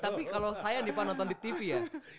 tapi kalau saya nih pak nonton di tv ya